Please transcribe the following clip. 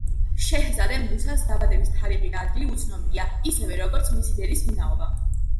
შეჰზადე მუსას დაბადების თარიღი და ადგილი უცნობია, ისევე როგორც მისი დედის ვინაობა.